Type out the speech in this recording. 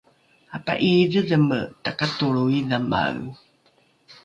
apa’iidhedheme takatolro idhamae